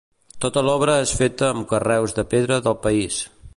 Tota l'obra és feta amb carreus de pedra del país.